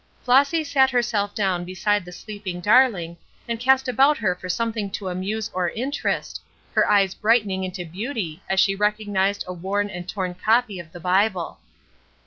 Flossy sat herself down beside the sleeping darling, and cast about her for something to amuse or interest, her eyes brightening into beauty as she recognized a worn and torn copy of the Bible.